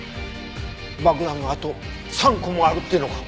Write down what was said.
爆弾があと３個もあるって言うのか？